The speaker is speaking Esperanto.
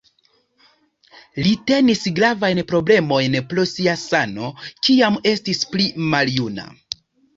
Li tenis gravajn problemojn pro sia sano kiam estis pli maljuna.